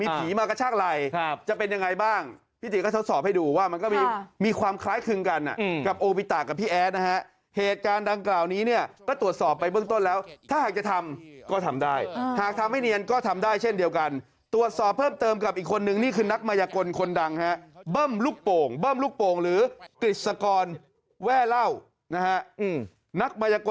พี่ติทำเหมือนทำเสียงซะเหมือนเลย